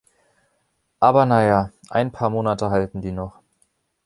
Aber na ja, ein paar Monate halten die noch.